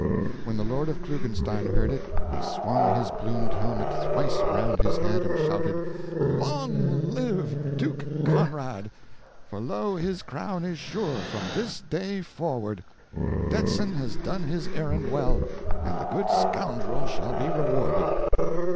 When the lord of Klugenstein heard it, he swung his plumed helmet thrice around his head and shouted: "Long live Duke Conrad! for lo, his crown is sure, from this day forward! Detzin has done his errand well, and the good scoundrel shall be rewarded!"